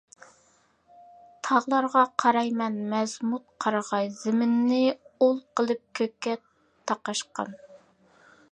تاغلارغا قارايمەن، مەزمۇت قارىغاي، زېمىننى ئۇل قىلىپ كۆككە تاقاشقان.